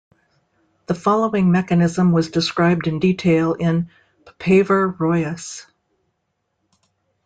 The following mechanism was described in detail in "Papaver rhoeas".